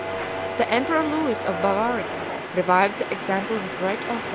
The emperor Lewis of Bavaria revived the example of the great Otho.